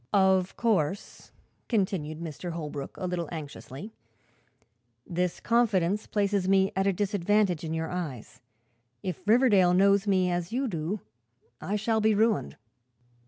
"Of course," continued Holbrook, a little anxiously, "this confidence places me at a disadvantage in your eyes. If Riverdale knows me as you do I shall be ruined."